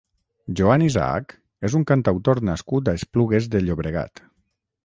Joan Isaac és un cantautor nascut a Esplugues de Llobregat.